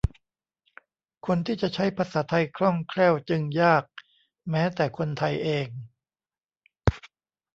คนที่จะใช้ภาษาไทยคล่องแคล่วจึงยาก แม้แต่คนไทยเอง